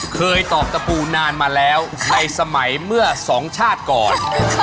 ตอกตะปูนานมาแล้วในสมัยเมื่อสองชาติก่อน